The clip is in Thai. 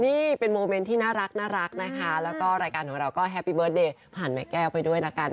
นี่เป็นโมเมนต์ที่น่ารักนะคะแล้วก็รายการของเราก็แฮปปี้เบิร์ตเดย์ผ่านแม่แก้วไปด้วยละกัน